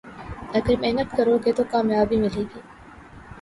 اگر محنت کرو گے تو کامیابی ملے گی